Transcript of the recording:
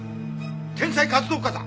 天才活動家だ！